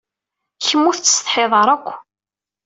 Kemm ur tettsetḥid ara akk?